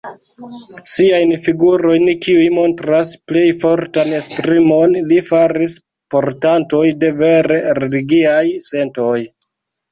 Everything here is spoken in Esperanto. Siajn figurojn, kiuj montras plej fortan esprimon, li faris portantoj de vere religiaj sentoj.